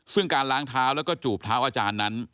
ซึ่งการล้างเท้าแล้วก็จูบเท้าอาจารย์นั้น